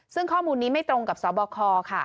ซึ่งข้อมูลนี้ไม่ตรงกับสบคค่ะ